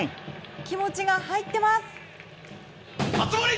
気持ちが入ってます！